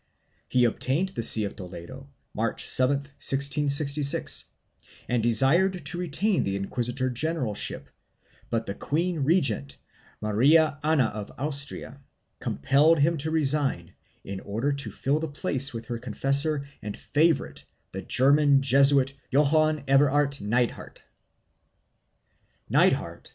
2 He obtained the see of Toledo March 7, 1666, and desired to retain the inquisitor generalship, but the Queen regent, Maria Ana of Austria, com pelled him to resign, in order to fill the place with her confessor and favorite the German Jesuit, Johann Everardt Nithard.